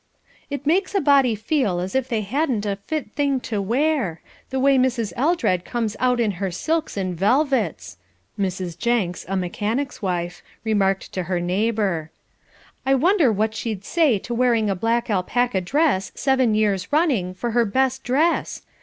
"It makes a body feel as if they hadn't a thing fit to wear, the way Mrs. Eldred comes out in her silks and velvets," Mrs. Jenks, a mechanic's wife, remarked to her neighbour. I wonder what she'd say to wearing a black alpaca dress seven years running, for her best dress!